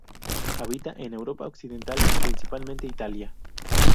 Habita en Europa occidental, principalmente Italia.